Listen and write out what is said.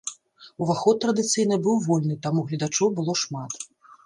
Уваход традыцыйна быў вольны, таму гледачоў было шмат.